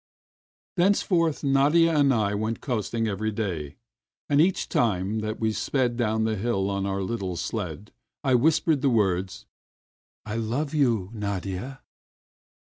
Thenceforth Nadia and I went coasting every day, and each time that we sped down the hill on our little sled I whispered the words: "I love you, Nadia!"